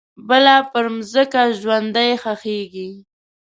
بله پرمځکه ژوندۍ ښخیږې